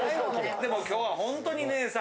でも今日はほんとに姉さん。